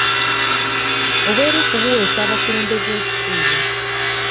Obwerufu buweesa abakulembeze ekitiibwa.